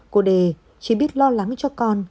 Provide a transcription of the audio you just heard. cô đề chỉ biết lo lắng cho con